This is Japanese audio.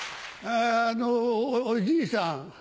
あのおじいさん